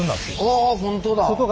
あ本当だ。